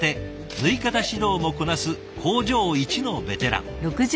縫い方指導もこなす工場イチのベテラン。